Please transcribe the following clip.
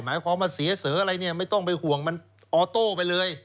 หมายความว่าเสียเสออะไรเนี่ยไม่ต้องไปห่วงมันออโต้ไปเลย